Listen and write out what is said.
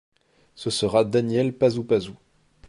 Ce sera Daniel Pasupasu.